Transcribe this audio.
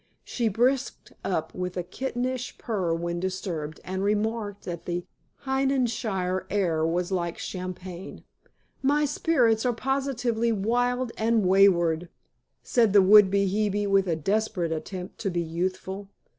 She brisked up with a kittenish purr when disturbed, and remarked that the Hengishire air was like champagne. "My spirits are positively wild and wayward," said the would be Hebe with a desperate attempt to be youthful.